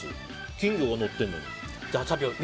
金魚が乗ってるのに。